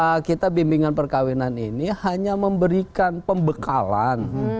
karena kita bimbingan perkawinan ini hanya memberikan pembekalan